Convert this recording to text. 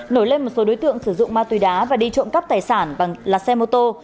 nổi lên một số đối tượng sử dụng ma túy đá và đi trộm cắp tài sản bằng là xe mô tô